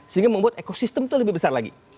sehingga membuat ekosistem itu lebih besar lagi